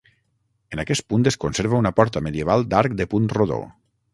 En aquest punt es conserva una porta medieval d'arc de punt rodó.